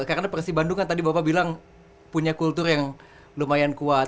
karena persibandung kan tadi bapak bilang punya kultur yang lumayan kuat